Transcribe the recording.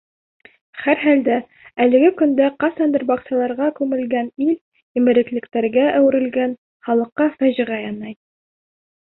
Һәр хәлдә, әлеге көндә ҡасандыр баҡсаларға күмелгән ил емереклектәргә әүерелгән, халыҡҡа фажиғә янай.